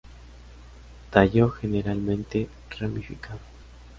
Tallo generalmente ramificado.